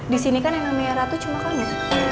disini kan yang namanya ratu cuma kamu